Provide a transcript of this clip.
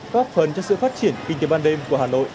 góp phần cho sự phát triển kinh tế ban đêm của hà nội